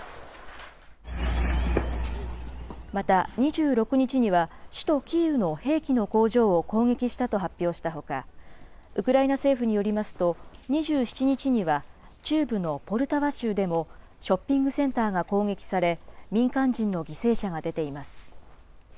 また２６日には、首都キーウの兵器の工場を攻撃したと発表したほか、ウクライナ政府によりますと、２７日には中部のポルタワ州でも、ショッピングセンターが攻撃され、民間人の犠牲者が出ています。